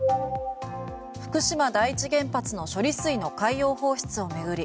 福島第一原発の処理水の海洋放出を巡り